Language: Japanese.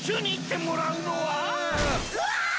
うわ！